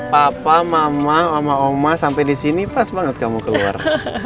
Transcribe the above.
papa mama mama oma sampai di sini pas banget kamu keluar